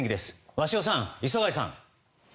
鷲尾さん、磯貝さん。